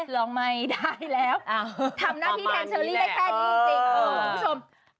ร้องไม่ได้แล้วทำหน้าที่แทนเชอรี่ได้แค่นี้จริงคุณผู้ชม